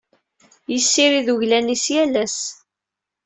Yessirid uglan-is yal ass.